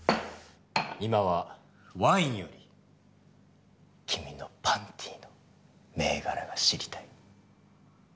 今はワインより君のパンティーの銘柄が知りたい。